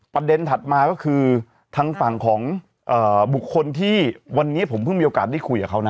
ถัดมาก็คือทางฝั่งของบุคคลที่วันนี้ผมเพิ่งมีโอกาสได้คุยกับเขานะ